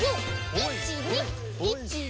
１２１２！